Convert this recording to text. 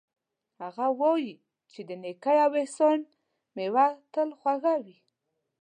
هغه وایي چې د نیکۍ او احسان میوه تل خوږه وي